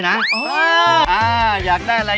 อยากได้อะไรหยิบไปเลยอยากให้อะไรหยิบเลยนะ